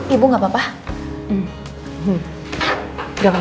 ibu ada butcher karena